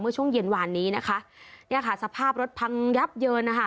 ช่วงเย็นวานนี้นะคะเนี่ยค่ะสภาพรถพังยับเยินนะคะ